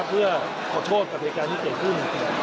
เพื่อขอโทษกับเหตุการณ์ที่เกิดขึ้น